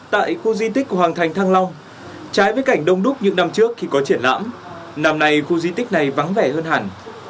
tại khu di tích của hoàng thành thăng long trái với cảnh đông đúc những năm trước khi có triển lãm năm nay khu di tích này vắng vẻ hơn hẳn